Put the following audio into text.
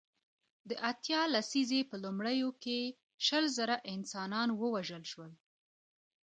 د اتیا لسیزې په لومړیو کې شل زره انسانان ووژل شول.